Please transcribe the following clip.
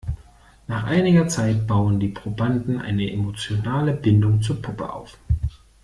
Nach einiger Zeit bauen die Probanden eine emotionale Bindung zur Puppe auf.